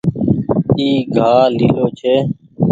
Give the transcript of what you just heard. اي گآه ليلو ڇي۔